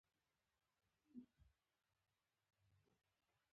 ټول عمان په دوه ورځو کې نه کتل کېږي.